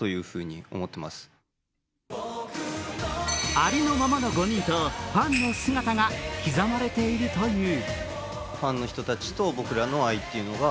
ありのままの５人とファンの姿が刻まれているという。